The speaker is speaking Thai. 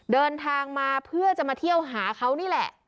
เดินทางมาเพื่อจะมาเที่ยวหาเขานี่แหละ